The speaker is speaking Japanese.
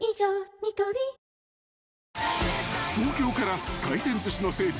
ニトリ［東京から回転寿司の聖地